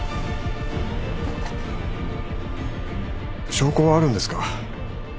証拠はあるんですか？